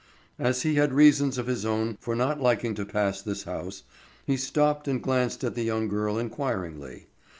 As he had reasons of his own for not liking to pass this house, he stopped and glanced at the young girl inquiringly.